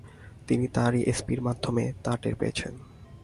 তিনি তাঁরই এস পি-র মাধ্যমে তা টের পেয়েছেন।